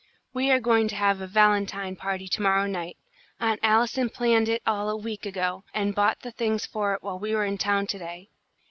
We are going to have a valentine party to morrow night. Aunt Allison planned it all a week ago, and bought the things for it while we were in town to day.